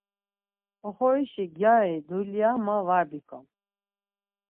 Oxorişi gyari dulya ma var bikom.